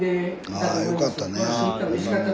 ああよかったね。